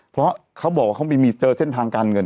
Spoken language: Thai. เพราะเขาบอกว่าเขาเจอเส้นทางการเงิน